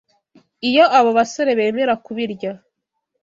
Iyo abo basore bemera kubirya